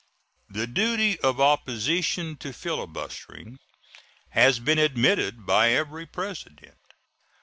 The duty of opposition to filibustering has been admitted by every President.